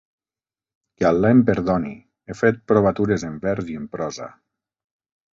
Que Al·là em perdoni, he fet provatures en vers i en prosa.